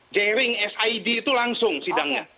jering sid itu langsung sidangnya